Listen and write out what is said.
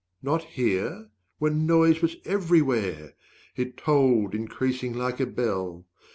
Not hear? when noise was everywhere! it tolled Increasing like a bell.